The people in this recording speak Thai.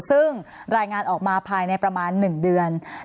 ซึ่งรายงานออกมาภายในประมาณ๑เดือน